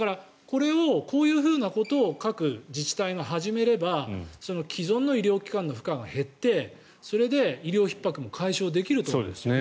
こういうふうなことを各自治体が始めれば既存の医療機関の負荷が減ってそれで医療ひっ迫も解消できると。